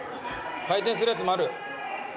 回転するやつもある。